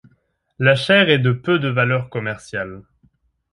La chair est de peu de valeur commerciale.